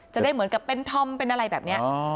จะได้เหมือนกับเป็นธอมเป็นอะไรแบบนี้